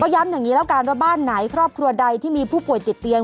ย้ำอย่างนี้แล้วกันว่าบ้านไหนครอบครัวใดที่มีผู้ป่วยติดเตียง